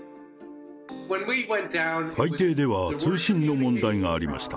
海底では通信の問題がありました。